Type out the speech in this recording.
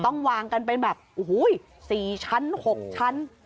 ต้องวางกันไปแบบโอ้โหสี่ชั้นหกชั้น